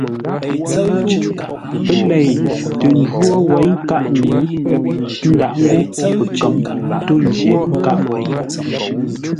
Pə́ lei tə njwó wěi nkâʼ ŋuu, ə́ ndǎʼ ńgó pəkə̌m ntôʼ jə̂ghʼ nkâʼ wêi.